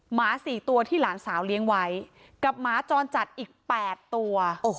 หมา๔ตัวที่หลานสาวเลี้ยงไว้กับหมาจรจัดอีก๘ตัว